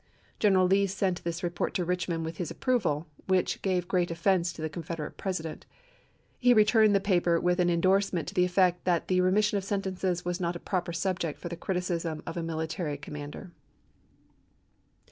General Lee sent this report to Richmond Nov.29,i864. with his approval, which gave great offense to the Confederate President. He returned the paper jones, with an indorsement to the effect that the remis WOTcfeSc's sion of sentences was not a proper subject for the pp. telj'tei. criticism of a military commander.